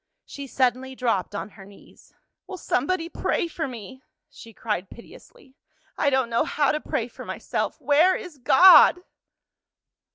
'" She suddenly dropped on her knees. "Will somebody pray for me?" she cried piteously. "I don't know how to pray for myself. Where is God?"